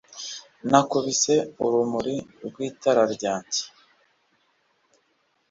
nakubise urumuri rw'itara ryanjye